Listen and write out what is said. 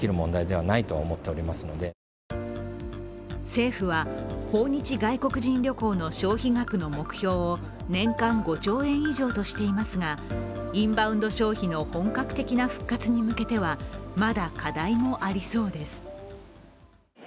政府は訪日外国人旅行の消費額の目標を年間５兆円以上としていますが、インバウンド消費の本格的な復活に向けてはまだ課題もありそうです。